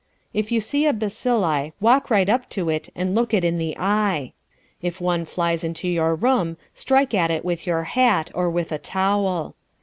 If you see a bacilli, walk right up to it, and look it in the eye. If one flies into your room, strike at it with your hat or with a towel.